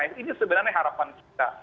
ini sebenarnya harapan kita